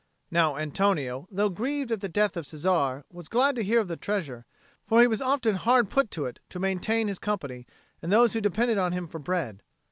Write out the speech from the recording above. Now Antonio, though grieved at the death of Cesare, was glad to hear of the treasure; for he was often hard put to it to maintain his company and those who depended on him for bread.